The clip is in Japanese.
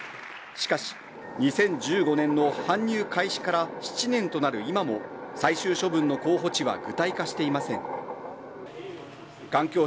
しかし２０１５年の搬入開始から７年となる今も最終処分の候補地は具体化していません